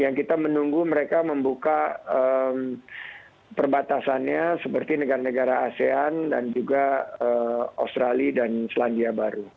yang kita menunggu mereka membuka perbatasannya seperti negara negara asean dan juga australia dan selandia baru